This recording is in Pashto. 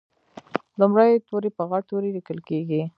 لومړی توری په غټ توري لیکل کیږي.